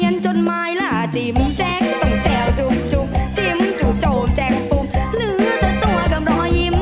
เขียนจนไม้ลาจีมแจ้งต้มแจ้วจุบจุบจีมมันจุบโจมแจ้งปุ่มหลือแต่ตัวกับรอยยิม